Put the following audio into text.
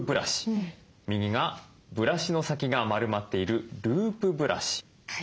右がブラシの先が丸まっているループブラシ。